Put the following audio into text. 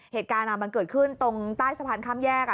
เหตุการณ์มันเกิดขึ้นตรงใต้สะพานข้ามแยก